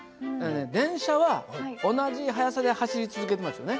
電車は同じ速さで走り続けてますよね？